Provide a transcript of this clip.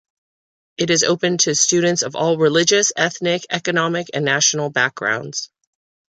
It is open to students of all religious, ethnic, economic and national backgrounds.